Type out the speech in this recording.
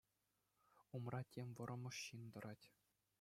Умра тем вӑрӑмӑш ҫын тӑрать.